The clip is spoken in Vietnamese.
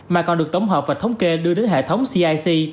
mà còn được tổng hợp và thống kê đưa đến hệ thống cic